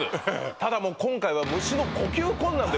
ただもう今回はホント？